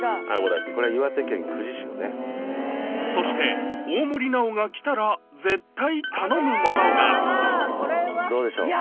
これ岩手県久慈市のねそして大森南朋が来たら絶対頼むものがどうでしょう？